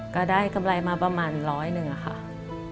ก็ได้กำไรมาประมาณ๑๐๐บาท